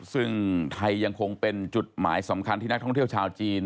ซึ่งไทยยังคงเป็นจุดหมายสำคัญที่นักท่องเที่ยวชาวจีน